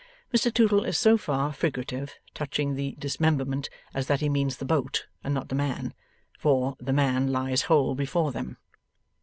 Mr Tootle is so far figurative, touching the dismemberment, as that he means the boat, and not the man. For, the man lies whole before them.